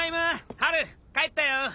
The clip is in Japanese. ハル帰ったよ。